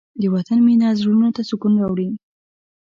د وطن مینه زړونو ته سکون راوړي.